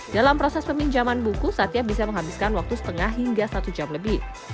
dalam proses peminjaman buku satya bisa menghabiskan waktu setengah hingga satu jam lebih